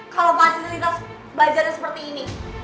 kalau fasilitas bajarnya seperti ini